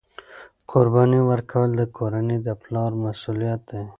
قرباني ورکول د کورنۍ د پلار مسؤلیت دی.